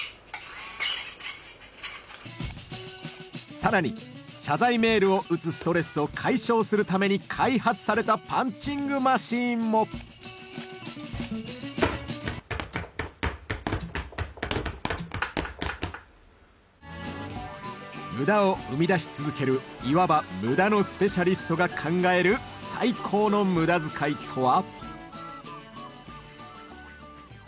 更に謝罪メールを打つストレスを解消するために開発された無駄を生み出し続けるいわば「無駄のスペシャリスト」が考える「最高の無駄遣い」とは？